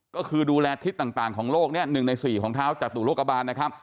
ก็คือดูแลทฤษต่างต่างของโลกเนี่ยหนึ่งในสี่ของท้าวจตุโลกบาลนะครับ